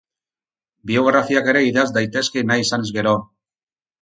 Biografiak ere idatz daitezke nahi izanez gero.